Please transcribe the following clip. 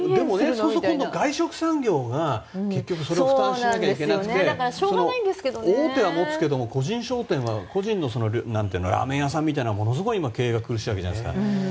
そうすると今度は外食産業が結局、それを負担しないといけなくて大手は持つけども個人経営のラーメン屋さんみたいなのは今、ものすごく経営が苦しいわけじゃないですか。